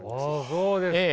そうですか。